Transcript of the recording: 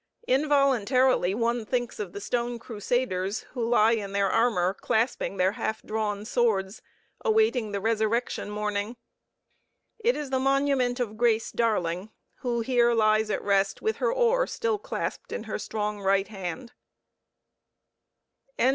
Involuntarily one thinks of the stone crusaders, who lie in their armor, clasping their half drawn swords, awaiting the Resurrection morning. It is the monument of Grace Darling, who here lies at rest with her oar still clasped in her strong right hand.